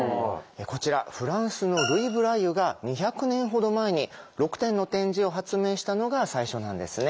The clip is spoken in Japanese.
こちらフランスのルイ・ブライユが２００年ほど前に６点の点字を発明したのが最初なんですね。